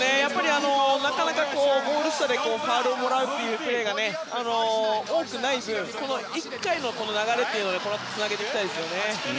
なかなかゴール下でファウルをもらうプレーが多くない分、１回の流れをつなげていきたいですね。